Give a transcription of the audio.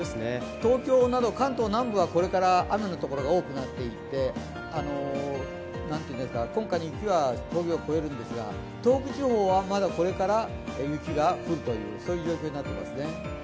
東京など関東南部はこれから雨のところが多くなっていって、今回の雪は峠を越えるんですが、東北地方はまだこれから雪が降るという状況になっていますね。